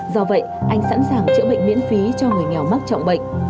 do vậy anh sẵn sàng chữa bệnh miễn phí cho người nghèo mắc trọng bệnh